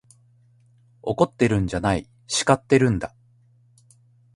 怒ってるんじゃない、叱ってるんだ。